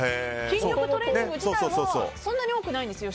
筋力トレーニング自体はそんなに多くないんですよ。